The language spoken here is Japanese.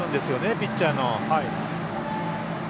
ピッチャーの。